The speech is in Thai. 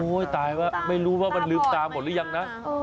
โอ้ยตายแล้วไม่รู้ว่ามันลึกตาหมดหรือยังนะ